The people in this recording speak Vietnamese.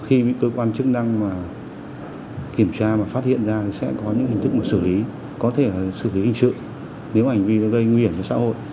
khi cơ quan chức năng kiểm tra và phát hiện ra thì sẽ có những hình thức mà xử lý có thể xử lý hình sự nếu hành vi gây nguyện cho xã hội